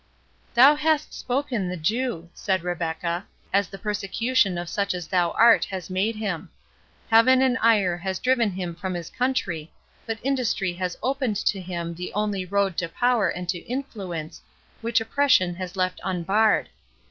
"Thou hast spoken the Jew," said Rebecca, "as the persecution of such as thou art has made him. Heaven in ire has driven him from his country, but industry has opened to him the only road to power and to influence, which oppression has left unbarred.